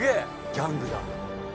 ギャングだ。